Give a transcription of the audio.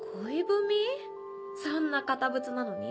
そんな堅物なのに？